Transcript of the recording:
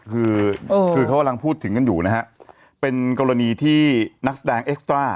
คือคือเขากำลังพูดถึงกันอยู่นะฮะเป็นกรณีที่นักแสดงเอ็กซ์ตรา